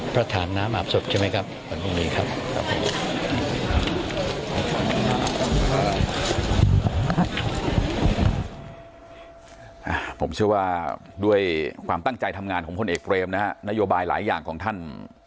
ผมเชื่อว่าด้วยความตั้งใจทำงานของพลเอกเบรมนะฮะนโยบายหลายอย่างของท่าน